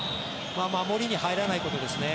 守りに入らないことですね